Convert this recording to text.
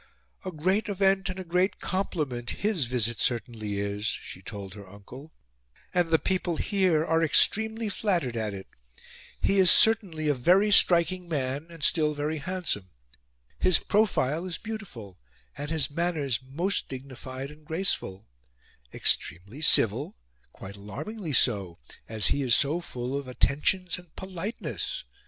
"A great event and a great compliment HIS visit certainly is," she told her uncle, "and the people HERE are extremely flattered at it. He is certainly a VERY STRIKING man; still very handsome. His profile is BEAUTIFUL and his manners MOST dignified and graceful; extremely civil quite alarmingly so, as he is so full of attentions and POLITENESS.